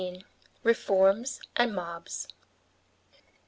REFORMS AND MOBS.